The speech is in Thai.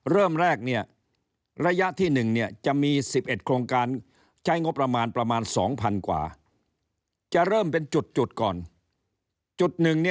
เริ่มแรกระยะที่๑จะมี๑๑โครงการใช้งบประมาณประมาณ๒๐๐๐กว่าจะเริ่มเป็นจุดก่อนจุดหนึ่ง